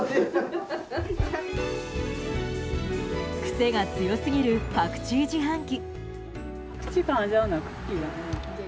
癖が強すぎるパクチー自販機。